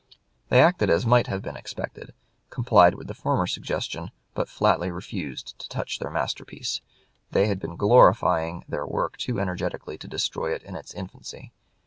They acted as might have been expected: complied with the former suggestion, but flatly refused to touch their masterpiece. They had been glorifying their work too energetically to destroy it in its infancy.